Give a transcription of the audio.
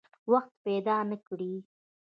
وخت پیدا نه کړي.